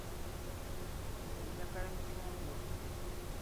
Nze njagala micungwa.